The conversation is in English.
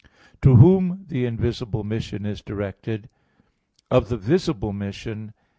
(6) To whom the invisible mission is directed? (7) Of the visible mission.